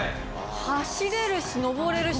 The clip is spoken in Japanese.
走れるし登れるし。